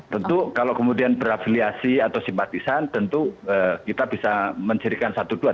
tentu kalau kemudian berafiliasi atau simpatisan tentu kita bisa menjadikan satu dua